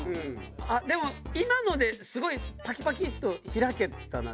でも今のですごいパキパキッと開けたな。